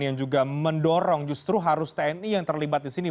yang juga mendorong justru harus tni yang terlibat di sini